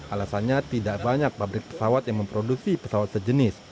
alasannya tidak banyak pabrik pesawat yang memproduksi pesawat sejenis